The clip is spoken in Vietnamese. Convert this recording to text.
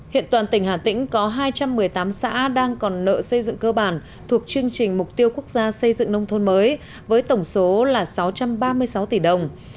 hiện toàn tỉnh hà tĩnh có hai trăm một mươi tám xã đang còn nợ xây dựng cơ bản thuộc chương trình mục tiêu quốc gia xây dựng nông thôn mới với tổng số là sáu trăm ba mươi sáu tỷ đồng